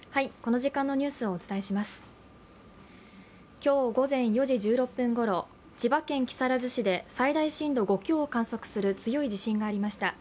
今日午前４時１６分ごろ、最大震度５強を観測する強い地震がありました。